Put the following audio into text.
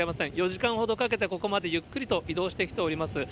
４時間ほどかけて、ここまでゆっくりと移動してきております。